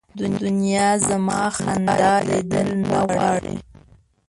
دنیا زما خندا لیدل نه غواړي